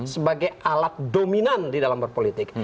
sebagai alat dominan di dalam berpolitik